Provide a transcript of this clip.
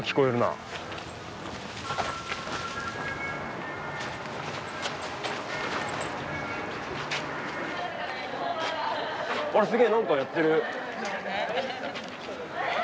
あらすげえ何かやってる。